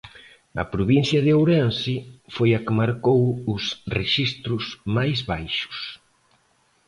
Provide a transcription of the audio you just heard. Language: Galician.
A provincia de Ourense foi a que marcou os rexistros máis baixos.